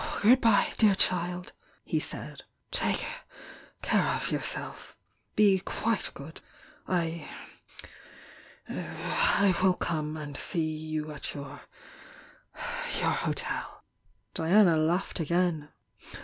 , "Good bye, dear child!" he said. "Take care of yourself! Be quite good! I— I will come and see you at your — your hotel." Diana laughed again.